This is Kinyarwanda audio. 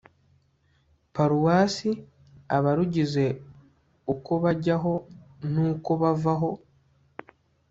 paruwasi abarugize uko bajyaho n uko bavaho